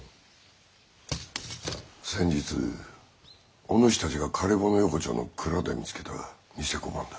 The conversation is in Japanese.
先日おぬしたちが枯骨横丁の蔵で見つけた贋小判だ。